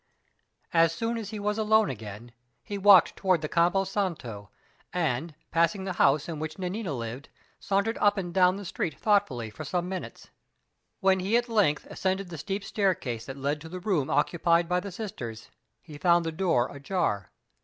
As soon as he was alone again, he walked toward the Campo Santo, and, passing the house in which Nanina lived, sauntered up and down the street thoughtfully for some minutes. When he at length ascended the steep staircase that led to the room occupied by the sisters, he found the door ajar.